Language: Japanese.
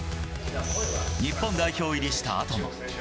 日本代表入りしたあとも。